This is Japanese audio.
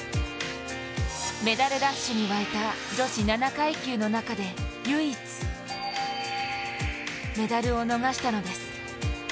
メダルラッシュに沸いた女子７階級の中で唯一メダルを逃したのです。